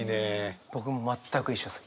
僕も全く一緒です。